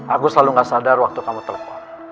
aku selalu gak sadar waktu kamu telepon